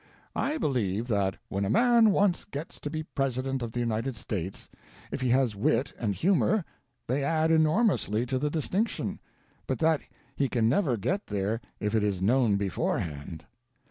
"I believe that when a man once gets to be President of the United States, if he has with and humor, they add enormously to the distinction, but that he can never get there if it is known beforehand.